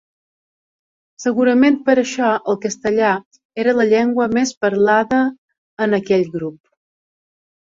Segurament per això el castellà era la llengua més parlada en aquell grup.